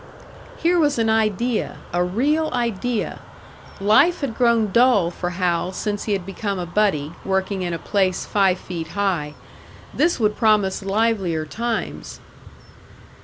Here was an idea a real idea! Life had grown dull for Hal since he had become a buddy, working in a place five feet high. This would promise livelier times!